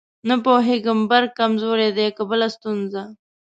نه پوهېږم برق کمزورې دی که بله ستونزه.